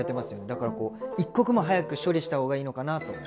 だからこう一刻も早く処理した方がいいのかなと。